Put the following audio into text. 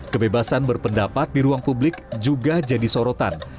kebebasan berpendapat di ruang publik juga jadi sorotan